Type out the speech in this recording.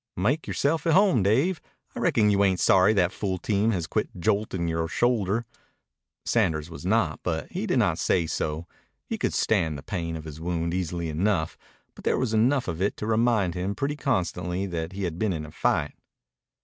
"Make yoreself to home, Dave. I reckon you ain't sorry that fool team has quit joltin' yore shoulder." Sanders was not, but he did not say so. He could stand the pain of his wound easily enough, but there was enough of it to remind him pretty constantly that he had been in a fight.